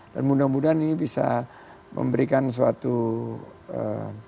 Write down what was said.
dan mudah mudahan ini bisa memberikan suatu ya